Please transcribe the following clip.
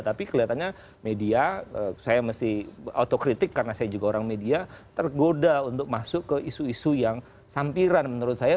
tapi kelihatannya media saya mesti otokritik karena saya juga orang media tergoda untuk masuk ke isu isu yang sampiran menurut saya